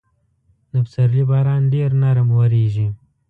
د پسرلي باران ډېر نرم اورېږي.